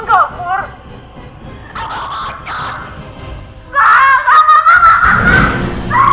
sekolah lampung saya